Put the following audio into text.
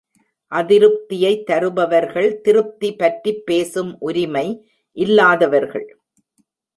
அதிருப்தியைத் தருபவர்கள் திருப்தி பற்றிப் பேசும் உரிமை இல்லாதவர்கள்.